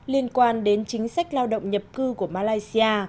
liên quan đến chính sách lao động nhập cư của malaysia